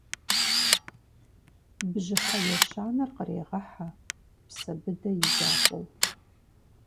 Бжьыхьэ ещанэр къырегъэхьэ Псэбыдэ и закъуэу.